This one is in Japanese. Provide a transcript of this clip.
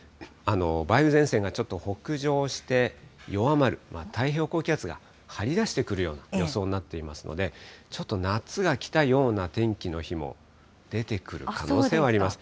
梅雨前線がちょっと北上して弱まる、太平洋高気圧が張り出してくるような予想になっていますので、ちょっと夏が来たような天気の日も出てくる可能性はあります。